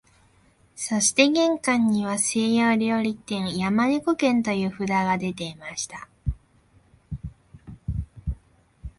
そして玄関には西洋料理店、山猫軒という札がでていました